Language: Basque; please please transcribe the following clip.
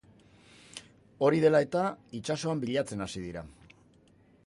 Hori dela eta, itsasoan bilatzen hasi dira.